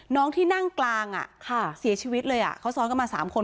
น้องที่นั่งกลางอ่ะค่ะเสียชีวิตเลยอ่ะเขาซ้อนกันมาสามคน